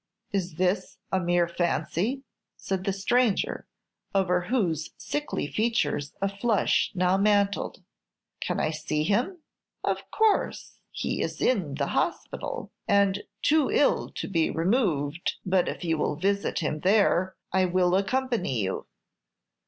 "Is this a mere fancy?" said the stranger, over whose sickly features a flush now mantled. "Can I see him?" "Of course. He is in the hospital, and too ill to be removed; but if you will visit him there, I will accompany you."